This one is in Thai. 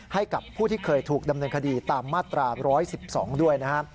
ให้กับผู้ที่เคยถูกดำเนินคดีตามมาตรา๑๑๒ด้วยนะครับ